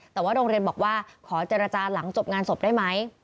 แต่ว่าโรงเรียนบอกว่าขอเจรจาหลังจบงานศพได้ไหม